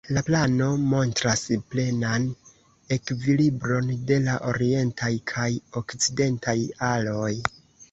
La plano montras plenan ekvilibron de la orientaj kaj okcidentaj aloj.